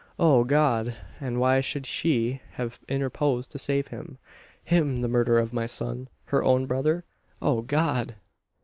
O God! And why should she have interposed to save him him, the murderer of my son her own brother? O God!"